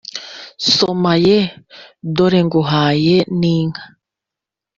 maso ye Dore nguhaye n inka